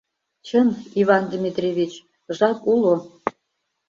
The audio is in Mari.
— Чын, Иван Дмитриевич, жап уло.